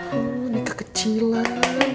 oh nikah kecilan